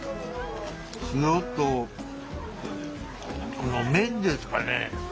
塩とこの麺ですかね。